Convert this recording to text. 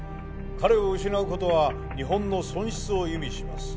彼を失う事は日本の損失を意味します。